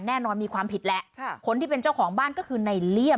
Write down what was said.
แน่นอนมีความผิดแหละคนที่เป็นเจ้าของบ้านก็คือในเลี่ยม